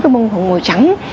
cái bông hoa hồng màu trắng